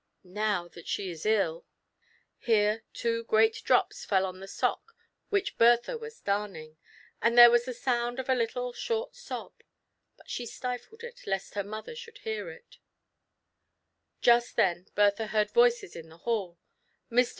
Now that she is ill "— here two great drops fell on the sock which Bertha was darning, and there was the sound of a little short sob, but she stifled it lest her mother should hear it. TRIALS AND TROUBLES. 77 Just then Bertha heard voices in the hall. Mr.